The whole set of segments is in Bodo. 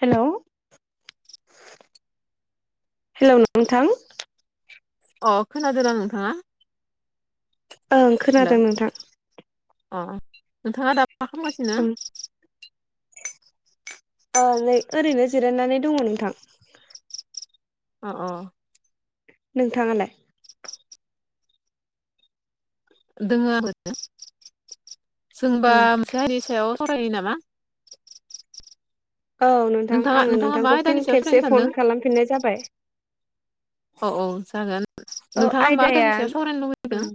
हेलौ हेलौ नोंथां अ खोनादों ना नोंथाङा? ओं हेलौ खोनादों नोंथां। अ नोंथाङा दा मा खालामगासिनो? ओं अ नै ओरैनो जिरायनानै दङ नोंथां। अ अ नोंथाङालाय दोङो आरो जों औ होमबा मोनसे हारिनि सायाव सरायनायनि नामा? औ नोंथां नोंथाङा आङो नोंथाङा मा नोंथांखौ आयदानि फिन सायाव सावरायनो खेबसे सानदों फन खालामफिननाय जाबाय। औ औ जागोन औ नोंथाङा होमबा आयदाया आयदानि सायाव सावरायनो लुबैदों? ओं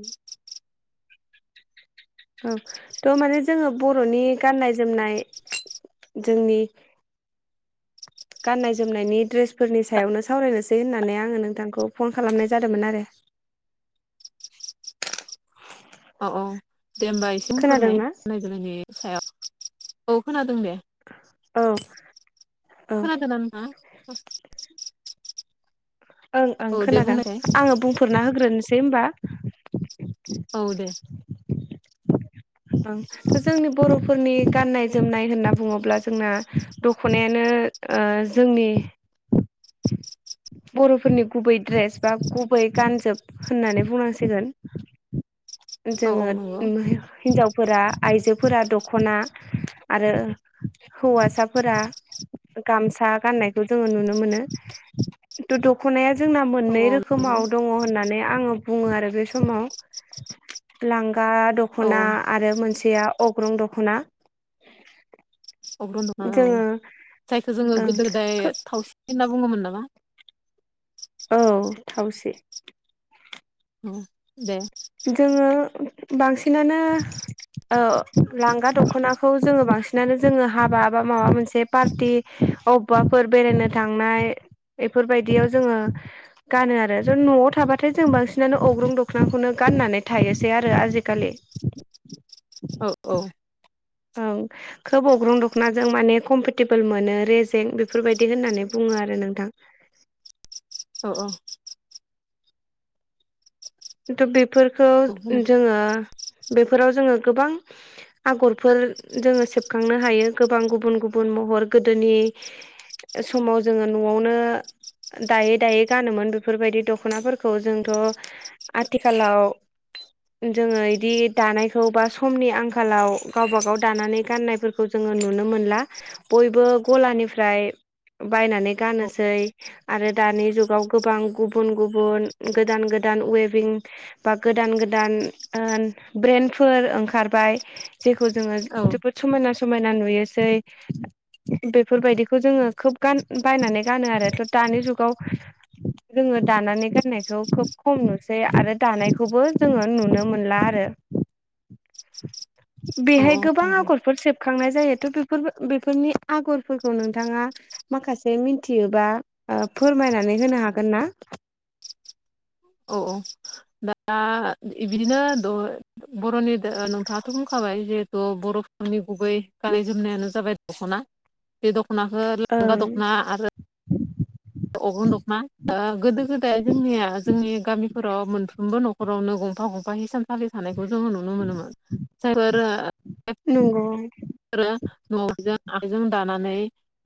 औ थ' माने जोङो बर'नि गाननाय जोमनाय जोंनि गाननाय जोमनायनि ड्रेसफोरनि सायावनो सावरायनोसै होननानै आङो नोंथांखौ फन खालामनाय जादोंमोन आरो। औ औ दे होमबा एसे खोनादोंना फोरमायनायग्रोनि सायाव औ खोनादों दे औ औ खोनादों ना नोंथाङा? ओं ओं औ दे खोनादों बुंनायसाय आङो बुंफोरना होग्रोनोसै होनबा। औ दे [inaudible] ओं जोंनि बर'फोरनि गाननाय जोमनाय होनना बुङोब्ला जोंना दख'नायानो ओ जोंनि बर'फोरनि गुबै ड्रेस बा गुबै गानजोब होननानै बुंनांसिगोन। औ औ जोङो नंगौ हिनजाव फोरा आइजोफोरा दख'ना आरो हौवासाफोरा गामसा गाननायखौ जोङो नुनो मोनो। द दख'नाया जोंना औ मोननै औ नंगौ रोखोमाव दङ होननानै आङो बुङो आरो बे समाव लांगा औ दख'ना आरो मोनसेया अग्रं दख'ना अग्रं दखना औ जोङो जायखौ जोङो ओं गोदो गोदाय थावसि होनना बुङोमोन नामा? औ थावसि दे जोङो बांसिनानो औ लांगा दख'नाखौ जोङो बांसिनानो जोङो हाबा बा माबा मोनसे पार्टि अबाफोर बेरायनो थांनाय बेफोरबायदियाव जोङो गानो आरो जों न'आव थाबाथाय जों बांसिनानो अग्रं दखनाखौनो गाननानै थायोसै आरो आजिखालि औ औ ओं खोब अग्रं दखनाजों माने कम्फर्टेबोल मोनो रेजें बेफोरबायदि होननानै बुङो आरो नोंथां। औ औ बेफोरखौ औ होनाय औ जोङो बेफोराव जोङो गोबां आगरफोर जोङो सेबखांनो हायो गोबां गुबुन गुबुन महर गोदोनि समाव जोङो न'आवनो दायै दायै गानोमोन बेफोरबायदि दख'नाफोरखौ जोंथ' आथिखालाव जोङो इदि दानायखौ बा समनि आंखालाव गावबा गाव दानानै गाननायफोर खौ जोङो नुनो मोनला बयबो गलानिफ्राय बायनानै गाननोसै आरो दानि जुगाव गोबां गुबुन गुबुन गोदान गोदान अवे भिंबा गोदान गोदान ब्रेन्डफोर ओंखारबाय जेखौ जोङो औ जोबोद समायना समायना नुयोसै बेफोरबायदिखौ जोङो खोब गान बायनानै गानो आरो थ दानि जुगाव जोङो दानानै गाननायखौ खोब खम नुसै। आरो दानायखौबो जोङो नुनो मोनला आरो। औ बेहाय गोबां आगरफोर सेबखांनाय जायोथ' बेफोर बेफोरनि आगरफोरखौ नोंथाङा माखासे मिथियोबा फोरमायनानै होनो हागोन ना? औ औ दा बिदिनो बर'नि नोंथाङाथ' बुंखाबाय जिहेथु बर'फोरनि गुबै गाननाय जोमनायानो जाबाय दख'ना। बे दख'नाखौ ओं लांगा दख'ना आरो। अग्रं दखना गोदो गोदाय जोंनिया जोंनि गामिफोराव मोनफ्रोमबो न'खर हरावनो गंफा गंफा हिसान। फालि फानायखौ जोङो नुनो मोनोमोन जायफोर। नंगौ न'आवनो आखाइजों दानानै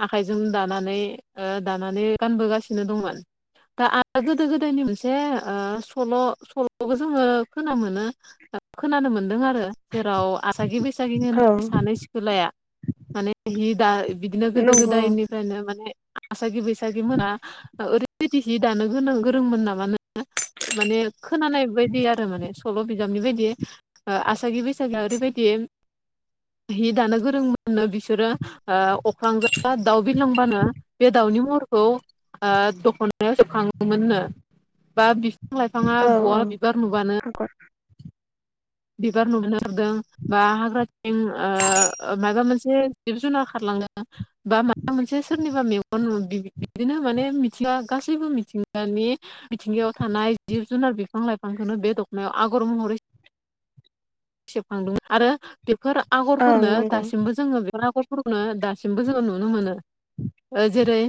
आखाइजों दानानै दानानै गानबोगासिनो दंमोन। दा आरो गोदो गोदायनि मोनसे सल' सल'खौ जोङो खोनानोमोनो। खोनानो मोनदों आरो जेराव आसागि बैसागि आसागि औ बैसागि सानै सिखोलाया माने हि दा बिदिनो गोदो नंगौ गोदायनि फ्रायनो माने आसागि बैसागि मोना ओरैबायदि सि दानां गोरोंमोन नामानो माने खोनानाय बायदि आरो माने सल' बिजाबनि बायदि आसागि बैसागिआ ओरैबायदि हि दानो गोरोंमोननो बिसोरो अख्रांजों दाउ बिलांबानो बे दाउनि महरखौ दख'नायाव सेबखाङोमोननो बा बि बिफां लाइफाङा औ औ बहाबा बिबार नुबानो आगर बिबार नुनो हादों बा हाग्रानि माबा मोनसे जिब - जुनार खारलाङो। बा माबा मोनसे सोरनिबा मेगन ना बिदिनो माने मिथिङा गासैबो मिथिंगानि मिथिंगायाव थानाय जिब जुनार बिफां लाइफांखौनो बे दखनायाव आगर महरै सेबखांदों आरो बेफोर ओं आगरफोरनो नंगौ दासिमबो जोङो बे आगर फोरखौनो दासिमबो जोङो नुनो मोनो जेरै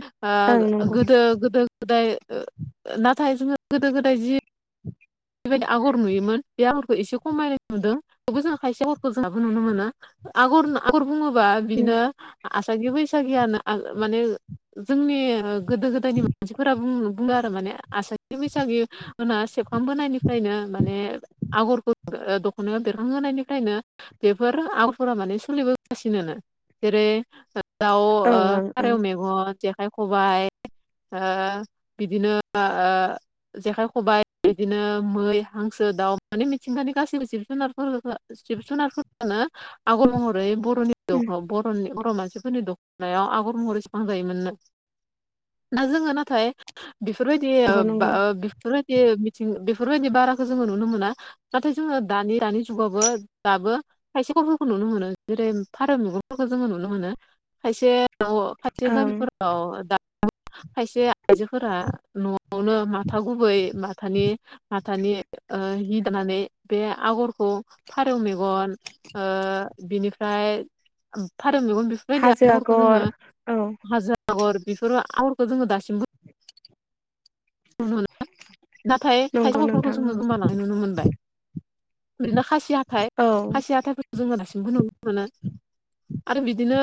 ओं नंगौ गोदो गोदो गोदाय नाथाय जोङो गोदो गोदाय जि बेबायदि आगर नुयोमोन बे आगरखौ एसे खमायनाय नुदों थेवबो जों खायसे आगरखौ दाबो नुनो मोना। आगर आगर बुङोबा ओं बिनो आसागि बैसागियानो माने जोंनि गोदो गोदायनि मानसिफोरा बुङो आरो माने आसागि बैसागि मोना सेबखांबोनायनिफ्रायनो माने आगरखौ दखनायाव बेरखांहोनायनिफ्रायनो बेफोर आगरफोरा माने सोलिबोगासिनो जेरै दाव ओं ओं फारौ मेगन जेखाइ खबाइ ओ बिदिनो ओ जेखाइ खबाइ इदिनो मै हांसो दाउ माने मिथिंगानि गाससिबो जिब जुनारफोरखौ जिब जुनारफोरखौनो आगर महरै बर'नि दखनायाव बर'नि बर' मानसिफोरनि दखनायाव आगर महरै सेबखां जायोमोननो। दा जोङो नाथाय बेफोरबायदि नंगौ नंगौ बेफोरबायदि बे मिथिं बेफोरबायदि बाराखौ जोङो नुनो मोना नाथाय जोङो दानि दानि जुगावबो दाबो खायसे आगफोरखौ नुनो मोनो जेरै फारौ मेगफोरखौ जोङो नुनो मोनो खायसे खायसे ओं गामिफोराव दा खायसे आइजोफोरा न' वावनो माथा गुबै माथानि माथानि हि दानानै बे आगरखौ फारौ मेगन बिनिफ्राय फारौ मेगन बि बेबायदि हाजो आगरखौ आगर जोङो औ हाजो आगर बेफोर आगरखौ जोङो दासिमबो नुनो मोना नाथाय खायसे नंगौ आगफोरखौ जों नोंथां गोमालांनाय नुनो मोनबाय बिदिनो खासि खासि हाथाय औ हासि हाथथायफोरखौ जोङो दासिमबो नुनो मोनो आरो बिदिनो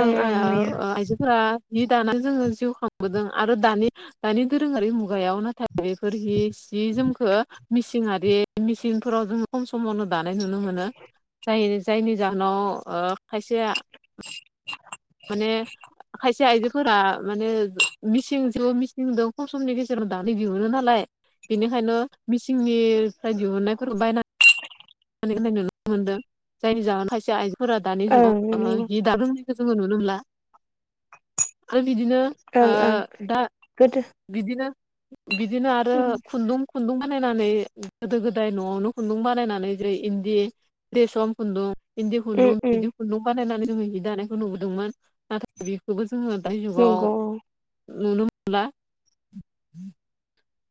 ओं ओं नुयो। आइजोफोरा जि दाना जोङो जिउ खांबोदों आरो दानि दानि दोरोङारि मुगायाव नाथाय बेफोर हि सि जोमखौ मिसिनारि मिसिनफोराव जोङो खम समावनो दानाय नुनो मोनो जाय जायनि जाहोनाव खायसेया माने खायसे आइजोफोरा माने मिसिंजोदो मिसिंदों खम समनि गेजेराव दानो दिहुनो नालाय बेनिखायनो मिसिंनिफ्राय दिहुननायफोरखौ बायनानै नुनो मोनदों जायनि जाहोन खायसे आइजोफोरा दानि ओं जुगाव नुयो हि दानो रोंला जोङो नुनो मोनला आरो बिदिनो ओ ओं ओं दा गोदो बिदिनो बिदिनो आरो उम खुन्दुं खुन्दुं बानायनानै गोदो गोदाय न'आवनो खुन्दुं बानायनानै इन्दी खुनदुं रेसम खुन्द इन्दि उम खुन्दुं खुन्दुं बानायनानै जि दानायखौ नुबोदोंमोन नाथाय बेखौबो जोंङो दानि जुगाव नंगौ नुनो मोनला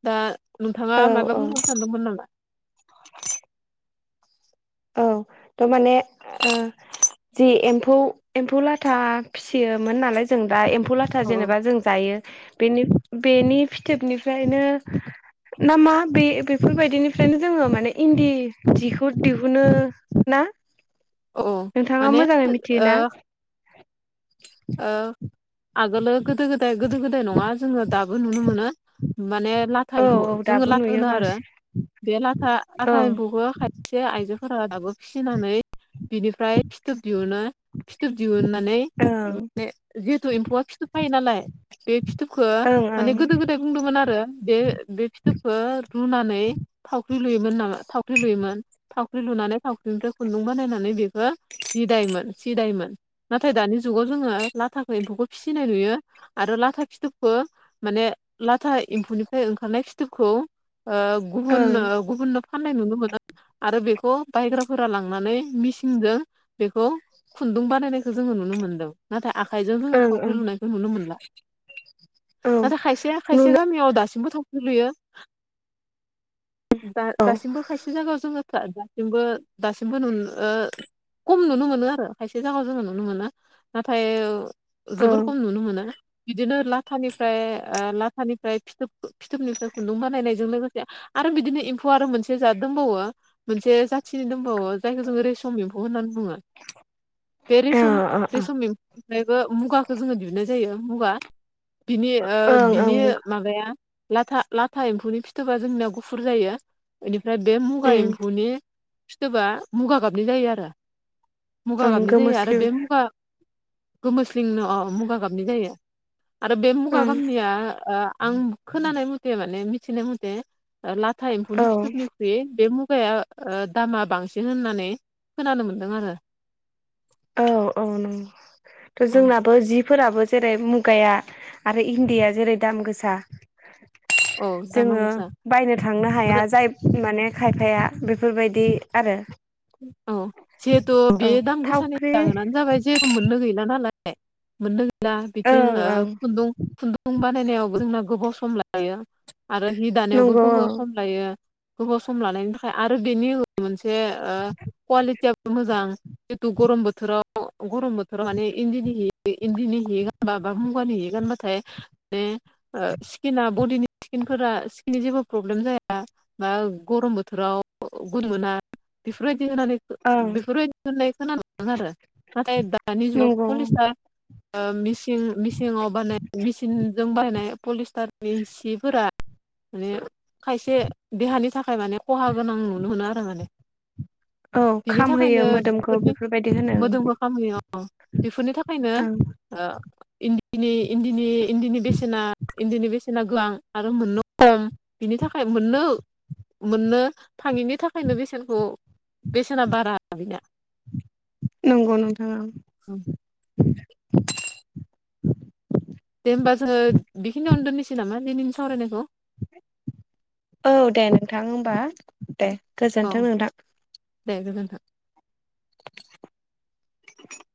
दा औ नोंथांङा माबा बुंहनो औ सानदोंमोन नामा औ थारमाने जि एम्फौ एम्फौ लाथा फिसियोमोन नालाय जों दा एम्फौ लाथा औ जेनेबा जों जायो बेनि फिथोबनिफ्रायनो ना मा बे बेफोरबायदिनिफ्रायनो जोंङो माने इन्दि जिखौ दिह ओम ना औ औ नोंथांङा माने मोजांङै मिथियो ओ ना आगोलो गोदो गोदाय गोदो गोदाय नङा जोंङो दाबो नुनो मोनो माने लाथा औ एम्फौ औ जोंङो दाबो लाथा नुयो होनो आरो बांसिन बे लाथा लाथा ओं एम्फौखौाय खायसे आइजोफोरा दाबो फिसिनानै बिनिफ्राय फिथोब दिहुनो फिथोब दिहुननानै ओं माने जिहेतु एम्फौआ फिथोब फायो नालाय बे फिथोबखो ओं ओं माने गोदो गोदाय फिथाइ बुंदोंमोन आरो बे बे फिथोबखौ रुनानै थावख्रि लुयोमोन नामा थावख्रि लुयोमोन थावख्रि लुनानै थावख्रिनिफ्राय खुन्दुं बानायनानै बेखौ बिदायमोन सिदायमोन नाथाय दानि जुगाव जोङो लाथााख एम्फौखौ फिसिनाय नुयो आरो लाथा फिथोबखौ माने लाथा एम्फौनिफ्राय ओंखारनाय फिथोबखौ गुबुन ओं गुबुननो फाननाय नुनो मोनो आरो बेखौ बायग्राफोरा लांनानै मेसिनजों बेखौ खुन्दुं बानायनायखौ जोंङो नुनो मोनदों नाथाय आखाइजों जोंङो ओं ओं थावख्रि लुनायखौ नुनो मोनला औ नाथाय खायसे नु खायसे गामियाव दासिमबो लुयो औ ओं दासिमबो खायसे बे जायगायाव जोंङो दासिमबो दासिमबो नुनो खम नुनो मोनो आरो खायसे जायगायाव जोंङो नुनो मोना नाथाय जोबोर खम ओ नुनो मोना बिदिनो लाथानिफ्राय लाथानिफ्राय फिथोब फिथोबनिफ्राय खुन्दुं बानायनायजों लोगोसे आरो बिदिनो एम्फौ आरो मोनसे जाद दोंबावो मोनसे जाथिनि दंबावो जायखौ जोंङो रेसम एम्फौ होननानै बुङो बे रेसम ओ रिसम एम्फौनिफ्रायबो मुगाखौ जोंङो दिहुननाय जायो मुगा बिनि ओ ओं बिनि ओं माबाया लाथा लाथा एम्फौनि फिथोबा जोंनियाव गुफुर जायो ओनिफ्राय बे मुगा उम एम्फौनि फीथोबा मुगा गाबनि जायो आरो मुगा ओं गाबनि जायो आरो गोमोस्लिउ बे मुगा गोमोस्लिंनो अ मुगा गाबनि जायो आरो बे मुगा ओं गाबनिया आं खोनानाय मथे माने मिथिनाय मथे लाथा एम्फौनि औ फिथोबनि बे बे मुगाया ओ दामा बांसिन होननानै खोनानो मोन्दों आरो औ औ नंगौ औ जोंनाबो जिफोराबो जेरै मुगाया आरो इन्दिया जेरै दाम गोसा औ दामा जोंङो गोसा बायनो थांनो आरो हाया जाय माने खायफाया बेफोरबायदि आरो औ जहेथ बे औ दाम गोसानि थावख्रि [unintelligible] जाबाय जेबो मोननो गैला नालाय मोननो गैला बिथि ओं ओ ओं खुुन्दुं खुुन्दुं खुन्दुं बानायनायावबो जोंना गोबाव सम लायो आरो हि दानायावबो नंगौ औ गोबाव सम ओमफ्रायो गोबाव सम लानायनि थाखाय आरो बेनि उनाव मोनसे ओ कुवालिटियाबो मोजां जितु गरम बोथोराव गरम बोथोराव माने इन्दिनि हि इन्दिनि हि गानबा बा मुगानि हि गानबाथाय माने ओ स्किना बडिनि स्किनफोरा स्किननि जेबो प्रब्लेम जाया दा गरम बोथोराव गुन मोना बेफोरबायदि होनानै ओं बेफोरबायदि होननाय खोनादोंमोन आरो नाथाय दानि जुगाव नंगौ पलिसतार ओ मिसिं मिसिङाव बानाय मिसिनजों बानायनाय पलिस्टारनि सिफोरा माने खायसे देहानि थाखाय माने खहा गोनां नुनो मोनो आरो माने औ बिनि खामहोयो थाखायनो मोदोमखौ बेफोरनि बेफोरबायदि होनो ओं मोदोमखो खामहोयो बेफोरनि थाखायनो ओं ओ इनदिनि इन्दिनि इन्दिनि बेसेना इन्दिनि बेसे ना गोबां आरो मोननो खम बिनि थाखाय मोननो मोननो थाङिनि थाखायनो बेसेनखौ बेसेना बारा बिना नंगौ नोंथां ओं उम दे होमबा जोङो बेखिनियावनो दोननिसै नामा दिनैनि सावरायनायखौ औ दे नोंथां होमबा दे औ गोजोनथों नोंथां दे गोजोनथों। [inaudible]